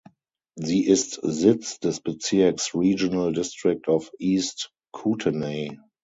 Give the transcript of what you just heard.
Sie ist Sitz des Bezirks Regional District of East Kootenay.